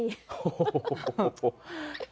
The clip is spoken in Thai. โอ้โหโอ้โห